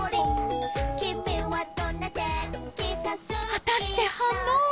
果たして反応は？